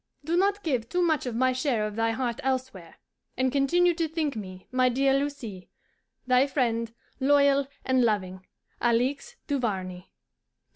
Do not give too much of my share of thy heart elsewhere, and continue to think me, my dear Lucie, thy friend, loyal and loving, ALIXE DUVARNEY.